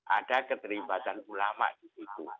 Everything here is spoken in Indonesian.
ada keterlibatan ulama di situ